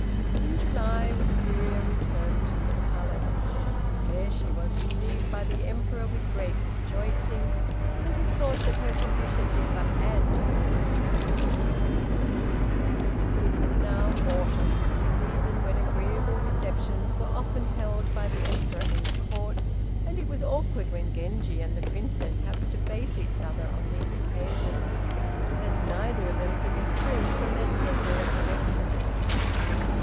In July Wistaria returned to the palace. There she was received by the Emperor with great rejoicing, and he thought that her condition did but add to her attractiveness. It was now autumn, the season when agreeable receptions were often held by the Emperor in Court, and it was awkward when Genji and the Princess happened to face each other on these occasions, as neither of them could be free from their tender recollections.